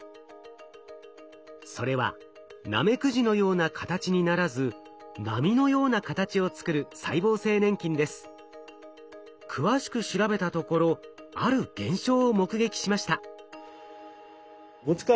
それはナメクジのような形にならず詳しく調べたところある現象を目撃しました。